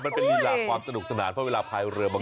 มันเป็นลีลาความสนุกสนานเพราะเวลาพายเรือบาง